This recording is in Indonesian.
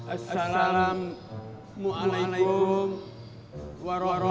assalamualaikum warahmatullahi wabarakatuh